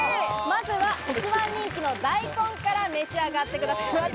まずは一番人気の大根から召し上がってください。